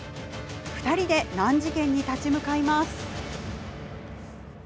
２人で難事件に立ち向かいます。